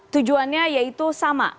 tujuannya yaitu sama